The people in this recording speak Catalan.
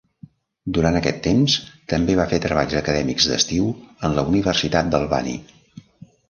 Durant aquest temps també va fer treballs acadèmics d'estiu en la Universitat d'Albany.